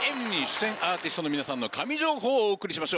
出演アーティストの皆さんの神情報をお送りしましょう。